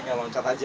tinggal loncat aja